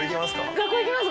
学校行きます。